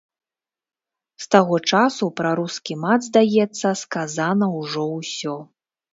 З таго часу пра рускі мат, здаецца, сказана ўжо ўсё.